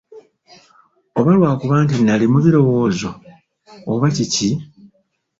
Oba lwakuba nti nnali mu birowoozo, oba kiki?